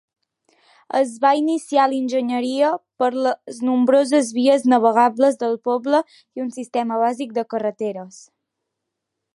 Es va iniciar l'enginyeria per a les nombroses vies navegables del poble i un sistema bàsic de carreteres.